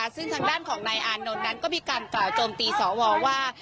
ซึ่งทางด้านของนายอานนท์นั้นก็มีการกล่าวโจมตีสวว่า